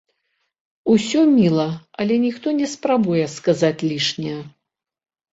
Усё міла, але ніхто не спрабуе сказаць лішняе.